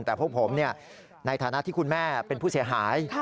แต่พวกผมในฐานะที่คุณแม่เป็นผู้เสียหาย